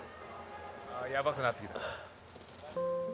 「ああやばくなってきた」